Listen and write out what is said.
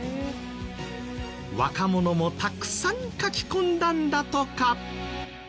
若者もたくさん書き込んだんだとか。